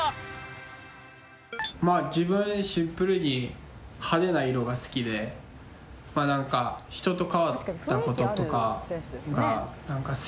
まあ自分シンプルに派手な色が好きでなんか人と変わった事とかが好きで。